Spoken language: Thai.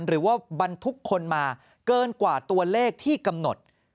หรือว่าบรรทุกคนมาเกินกว่าตัวเลขที่กำหนด